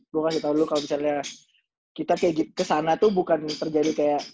gue kasih tau dulu kalau misalnya kita kayak kesana tuh bukan terjadi kayak